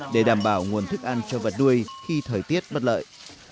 để đảm bảo nguồn thức ăn cho vật nuôi khi thời tiết bất lợi